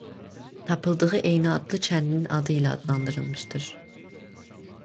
Tapıldığı eyni adlı kəndin adı ilə adlandırılmışdır.